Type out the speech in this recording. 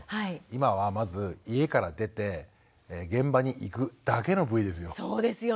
今はまず家から出て現場に行くだけのＶですよ。